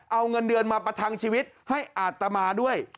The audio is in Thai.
เอาเงินเดือนมาประทังชีวิตให้อาตมาด้วย